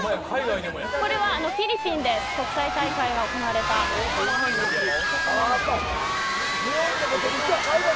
これはフィリピンで国際大会が行われた直後の様子です。